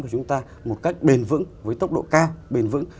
của chúng ta một cách bền vững với tốc độ cao bền vững